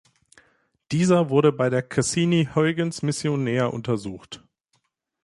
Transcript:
Dieser wurde bei der Cassini-Huygens-Mission näher untersucht.